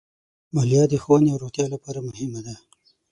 مالیه د ښوونې او روغتیا لپاره مهمه ده.